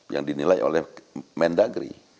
yang dinilai oleh main dagri